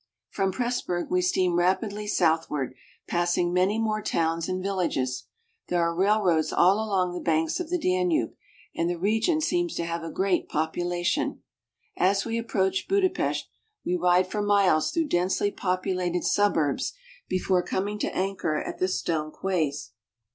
From Pressburg we steam rapidly southward, passing many more towns and villages. There are railroads all along the banks of the Danube, and the region seems to HUNGARY AND THE HUNGARIANS. 295 have a great population. As we approach Budapest, we ride for miles through densely populated suburbs before coming to anchor at the stone quays.